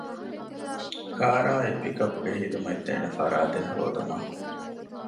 ކާރާއި ޕިކަޕްގެ ޚިދުމަތްދޭނެ ފަރާތެއް ހޯދުމަށް